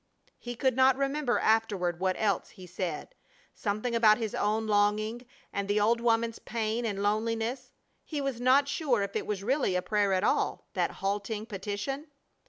He could not remember afterward what else he said. Something about his own longing, and the old woman's pain and loneliness. He was not sure if it was really a prayer at all, that halting petition.